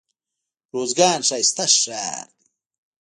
روزګان ښايسته ښار دئ.